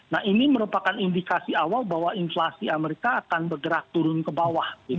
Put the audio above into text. nah ini merupakan indikasi awal bahwa inflasi amerika akan bergerak turun ke bawah